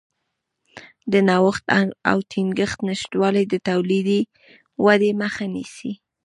د نوښت او تخنیک نشتوالی د تولیدي ودې مخه نیسي.